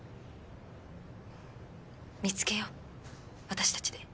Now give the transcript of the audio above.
見つけよう私たちで。